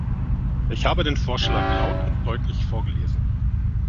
Ich habe den Vorschlag laut und deutlich vorgelesen.